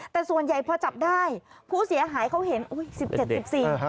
แต่ส่วนใหญ่พอจับได้ผู้เสียหายเขาเห็นอุ้ยสิบเจ็ดสิบสี่ฮะ